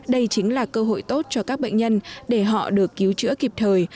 đây chính là cơ hội tốt cho các bệnh nhân để họ được cứu chữa kịp thời